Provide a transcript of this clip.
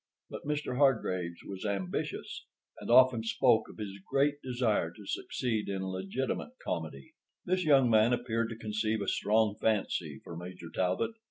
But Mr. Hargraves was ambitious, and often spoke of his great desire to succeed in legitimate comedy. This young man appeared to conceive a strong fancy for Major Talbot.